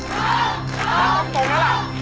ไม่ตรง